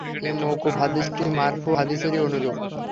এ মওকুফ হাদীসটি মারফু হাদীসেরই অনুরূপ।